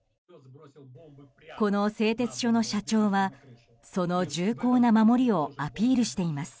この製鉄所の社長はその重厚な守りをアピールしています。